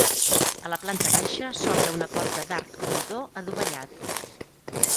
A la planta baixa s'obre una porta d'arc rodó adovellat.